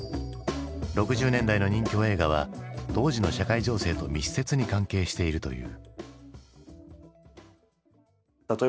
６０年代の任侠映画は当時の社会情勢と密接に関係しているという。